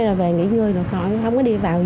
rồi về nghỉ ngơi rồi khỏi không có đi vào gì